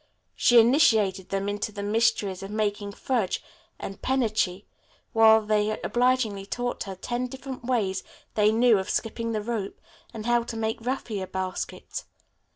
She initiated them into the mysteries of making fudge and penuchi, while they obligingly taught her the ten different ways they knew of skipping the rope, and how to make raffia baskets.